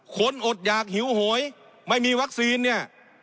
อดหยากหิวโหยไม่มีวัคซีนเนี่ย